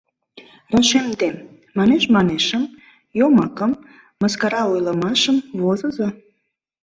Рашемдем: манеш-манешым, йомакым, мыскара ойлымашым возыза.